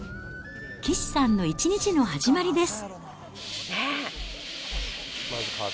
岸さんの一日の始まりです。